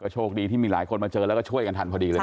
โชคดีที่มีหลายคนมาเจอแล้วก็ช่วยกันทันพอดีเลย